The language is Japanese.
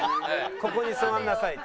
ここに座んなさいと。